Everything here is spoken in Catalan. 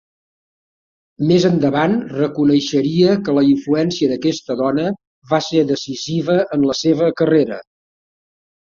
Més endavant reconeixeria que la influència d’aquesta dona va ser decisiva en la seva carrera.